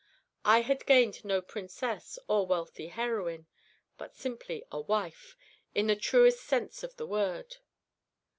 I had gained no princess or wealthy heroine, but simply a wife, in the truest sense of the word.